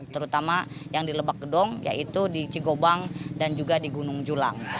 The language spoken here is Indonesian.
terutama yang di lebak gedong yaitu di cigobang dan juga di gunung julang